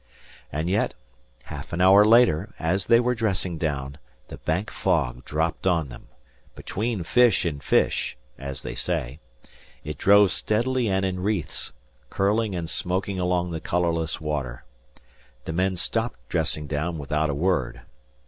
And yet, half an hour later, as they were dressing down, the Bank fog dropped on them, "between fish and fish," as they say. It drove steadily and in wreaths, curling and smoking along the colourless water. The men stopped dressing down without a word.